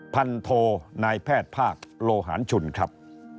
พันโทนายแพทย์ภาคโลหารชุนครับ